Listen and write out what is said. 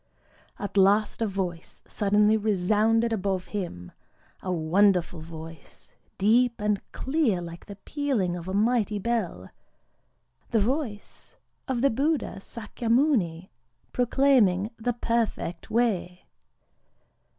At last a voice suddenly resounded above him,—a wonderful voice, deep and clear like the pealing of a mighty bell,—the voice of the Buddha Sâkyamuni proclaiming the Perfect Way.